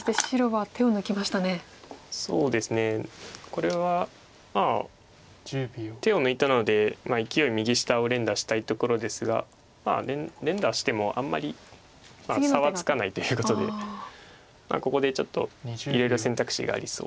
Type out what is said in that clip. これは手を抜いたのでいきおい右下を連打したいところですがまあ連打してもあんまり差はつかないということでここでちょっといろいろ選択肢がありそうです。